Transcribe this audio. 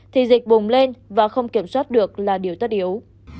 thì dịch bùng lên và không kiểm soát được là điều tất yếu